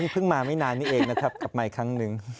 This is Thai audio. เพิ่งมาไม่นานนี้เองนะครับกลับมาอีกครั้งหนึ่ง